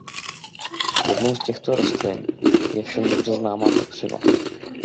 Jednou z těchto rostlin je všem dobře známá kopřiva.